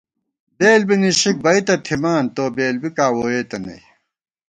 بېل بی نِشِک بئ تہ تھِمان، تو بېل بِکاں ووئېتہ نئ